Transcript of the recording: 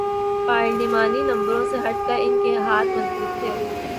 پارلیمانی نمبروں سے ہٹ کے ان کے ہاتھ مضبوط تھے۔